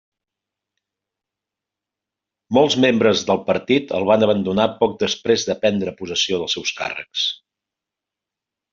Molts membres del partit el van abandonar poc després de prendre possessió dels seus càrrecs.